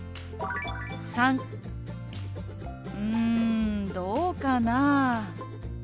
③「うんどうかなぁ？」。